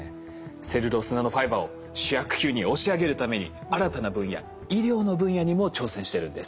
セルロースナノファイバーを主役級に押し上げるために新たな分野医療の分野にも挑戦してるんです。